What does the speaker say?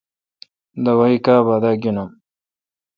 دوائ کا با داگینم۔